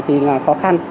thì là khó khăn